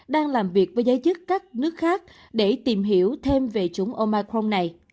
đang làm việc với giới chức các nước khác để tìm hiểu thêm về chủng omicron này